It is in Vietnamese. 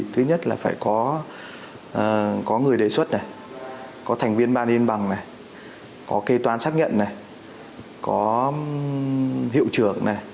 thứ nhất là phải có người đề xuất này có thành viên ban yên bằng này có kê toán xác nhận này có hiệu trưởng này